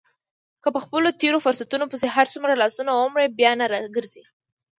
که په خپلو تېرو فرصتونو پسې هرڅومره لاسونه ومروړې بیا نه را ګرځي.